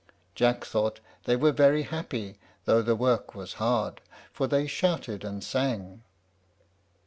Jack thought they were very happy, though the work was hard, for they shouted and sang.